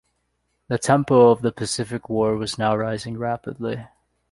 The tempo of the Pacific war was now rising rapidly.